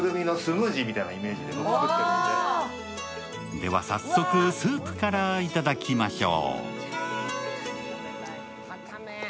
では早速、スープからいただきましょう。